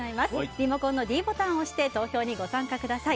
リモコンのｄボタンを押して投票にご参加ください。